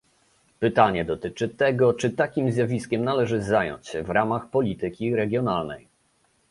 Pytanie dotyczy tego, czy takim zjawiskiem należy zająć się w ramach polityki regionalnej